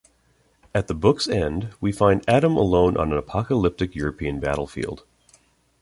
At the book's end, we find Adam alone on an apocalyptic European battlefield.